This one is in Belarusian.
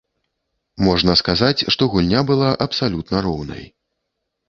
Можна сказаць, што гульня была абсалютна роўнай.